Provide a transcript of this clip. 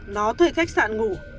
nó thuê khách sạn ngủ